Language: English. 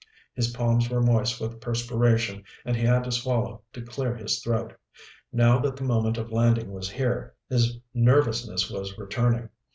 His palms were moist with perspiration and he had to swallow to clear his throat. Now that the moment of landing was here, his nervousness was returning.